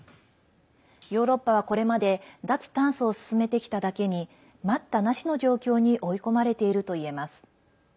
ヨーロッパはこれまで脱炭素を進めてきただけに待ったなしの状況に追い込まれているといえます。